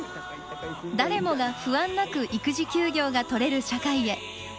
誰もが不安なく育児休業が取れる社会へ。